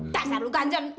kasar lu ganjan